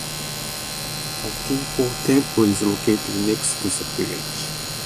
A Tin Hau temple is located next to the village.